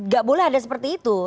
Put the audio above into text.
gak boleh ada seperti itu